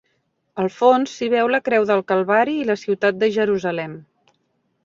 Al fons s'hi veu la creu del Calvari i la ciutat de Jerusalem.